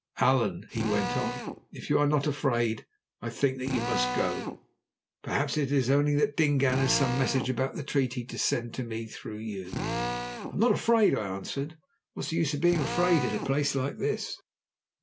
"Allan," he went on, "if you are not afraid, I think that you must go. Perhaps it is only that Dingaan has some message about the treaty to send to me through you." "I am not afraid," I answered. "What is the use of being afraid in a place like this?"